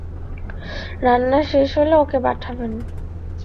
রান্না শেষ হলে ওকে পাঠাবেন।